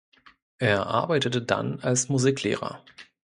Er arbeitete dann als Musiklehrer.